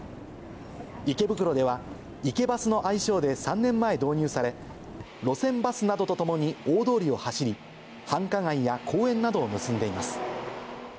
池袋では、ＩＫＥＢＵＳの愛称で３年前導入され、路線バスなどとともに大通りを走り、繁華街や公園などを結んでいます。